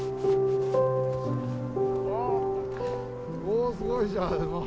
おー、すごいじゃん。